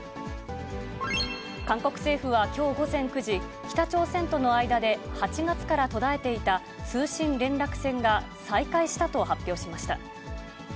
韓国政府はきょう午前９時、北朝鮮との間で８月から途絶えていた通信連絡線が再開したと発表しました。